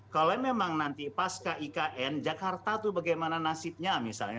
kalau memang nanti pas ikn jakarta itu bagaimana nasibnya misalnya